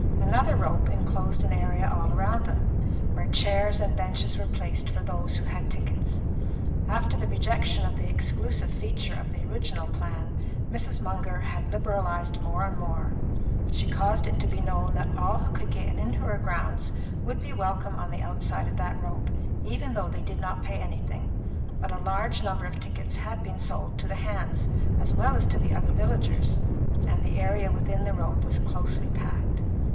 Another rope enclosed an area all round them, where chairs and benches were placed for those who had tickets. After the rejection of the exclusive feature of the original plan, Mrs. Munger had liberalised more and more: she caused it to be known that all who could get into her grounds would be welcome on the outside of that rope, even though they did not pay anything; but a large number of tickets had been sold to the hands, as well as to the other villagers, and the area within the rope was closely packed.